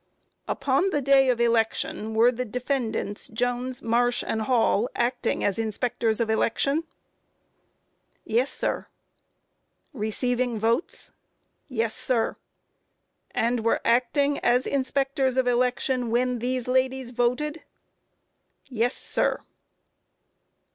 Q. Upon the day of election were the defendants Jones, Marsh, and Hall, acting as inspectors of election? A. Yes, sir. Q. Receiving votes? A. Yes, sir. Q. And were acting as inspectors of election when these ladies voted? A. Yes, sir.